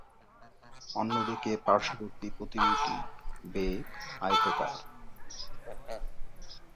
অন্যদিকে পার্শ্ববর্তী প্রতিটি ‘বে’ আয়তাকার।